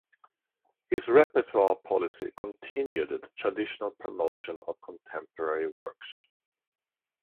His repertoire policy continued the traditional promotion of contemporary works.